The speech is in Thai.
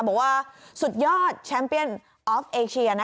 บอกว่าสุดยอดแชมป์เปียนออฟเอเชียนะ